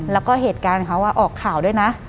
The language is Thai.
แล้วก็เหตุการณ์เขาออกข่าวด้วยนะ